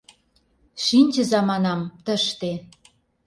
— Шинчыза, — манам, — тыште.